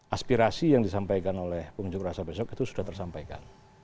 aspirasi yang disampaikan oleh bum pbnu itu sudah tersampaikan